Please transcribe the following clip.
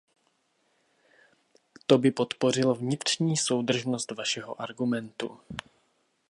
To by podpořilo vnitřní soudržnost vašeho argumentu.